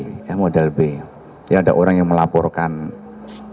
jadi begini jadi laporannya tidak hanya satu laporan model b